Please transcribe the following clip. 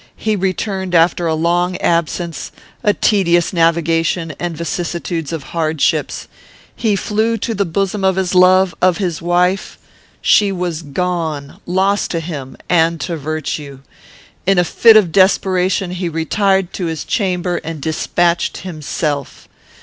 He returned after a long absence, a tedious navigation, and vicissitudes of hardships. He flew to the bosom of his love; of his wife. She was gone; lost to him, and to virtue. In a fit of desperation, he retired to his chamber and despatched himself.